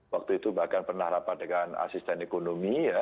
waktu itu bahkan pernah rapat dengan asisten ekonomi ya